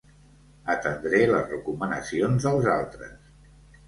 Atendre les recomanacions dels altres.